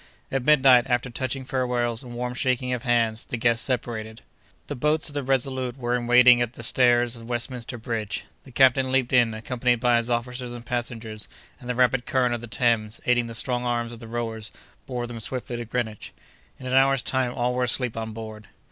At midnight, after touching farewells and warm shaking of hands, the guests separated. The boats of the Resolute were in waiting at the stairs of Westminster Bridge. The captain leaped in, accompanied by his officers and passengers, and the rapid current of the Thames, aiding the strong arms of the rowers, bore them swiftly to Greenwich. In an hour's time all were asleep on board.